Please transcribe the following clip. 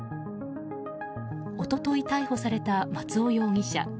一昨日、逮捕された松尾容疑者。